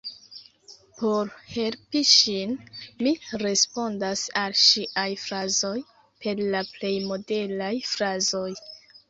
Por helpi ŝin, mi respondas al ŝiaj frazoj per la plej modelaj frazoj.